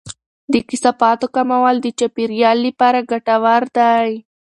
د کثافاتو کمول د چاپیریال لپاره ګټور دی.